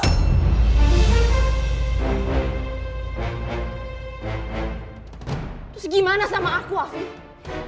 terus gimana sama aku aku